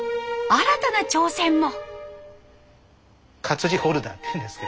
新たな挑戦も！